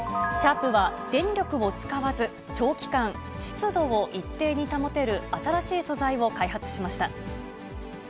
シャープは電力を使わず、長期間、湿度を一定に保てる新しい素材を開発しました。